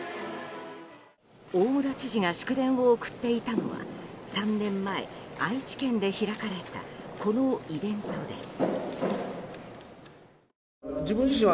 大村知事が祝電を送っていたのは３年前、愛知県で開かれたこのイベントです。